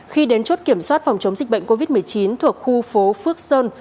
khi đến chốt kiểm soát phòng chống dịch bệnh covid một mươi chín thuộc khu phố phước sơn